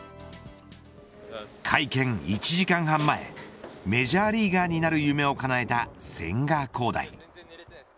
会見１時間半前メジャーリーガーになる夢をかなえた千賀滉大。